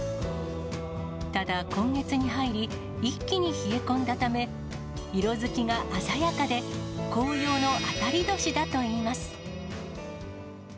ただ、今月に入り、一気に冷え込んだため、色づきが鮮やかで、紅葉の当たり年だといいます。